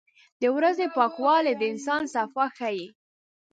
• د ورځې پاکوالی د انسان صفا ښيي.